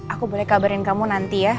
aku boleh kabarin kamu nanti ya